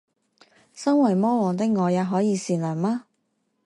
生為魔王的我也可以善良嗎？